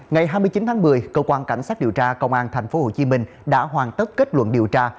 ngày hai mươi chín tháng một mươi cơ quan cảnh sát điều tra công an tp hcm đã hoàn tất kết luận điều tra